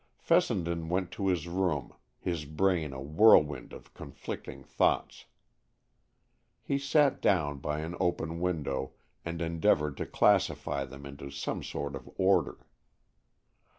Fessenden went to his room, his brain a whirlwind of conflicting thoughts. He sat down by an open window and endeavored to classify them into some sort of order.